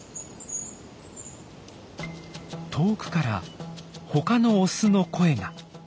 遠くから他のオスの声が！